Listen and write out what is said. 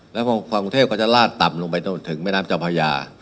แล้วพอกรุงเทพก็จะลาดต่ำลงไปจนถึงแม่น้ำเจ้าพญา